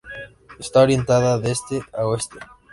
Está orientada de este a oeste.